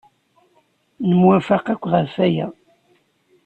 Nemwafaq akk ɣef waya.